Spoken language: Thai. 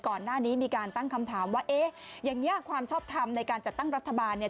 ก่อนหน้านี้มีการตั้งคำถามว่าเอ๊ะอย่างนี้ความชอบทำในการจัดตั้งรัฐบาลเนี่ย